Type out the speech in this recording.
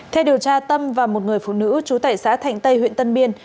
theo điều tra tâm và một người phụ nữ trú tại xã thạnh tây huyện tân biên